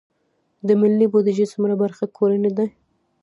د ملي بودیجې څومره برخه کورنۍ ده؟